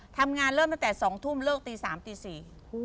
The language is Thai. ทำงานเริ่มตั้งแต่๒ทุ่มเลิกตีสามตีสี่